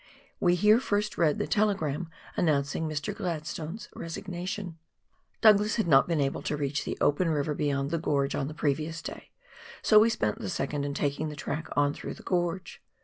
We here first read the telegram announcing Mr. Gladstone's resignation. Douglas had not been able to reach the open river beyond the gorge on the previous day, so we spent the 2nd in taking the track on through the gorge.